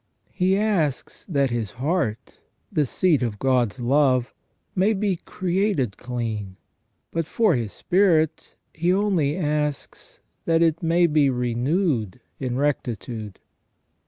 He asks that his heart, the seat of God's love, may be created clean, but for his spirit he only asks that it may be renewed in rectitude.